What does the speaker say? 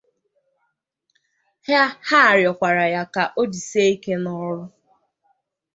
Ha rịọkwara ya ka o jisie ike n'ọrụ.